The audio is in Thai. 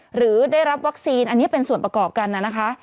หรือได้รับวัคซีนอันนี้เป็นส่วนประกอบกันนะคะ